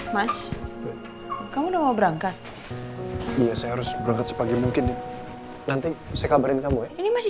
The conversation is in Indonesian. mas kamu udah mau berangkat iya saya harus berangkat sepagi mungkin nanti saya kabarin kamu ya ini masih